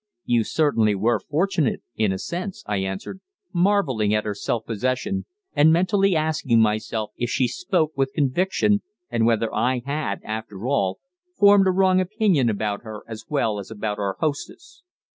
"You certainly were fortunate, in a sense," I answered, marvelling at her self possession, and mentally asking myself if she spoke with conviction and whether I had, after all, formed a wrong opinion about her as well as about our hostess.